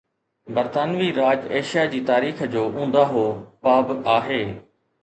برطانوي راڄ ايشيا جي تاريخ جو اونداهو باب آهي